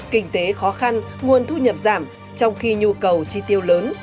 kinh tế khó khăn nguồn thu nhập giảm trong khi nhu cầu chi tiêu lớn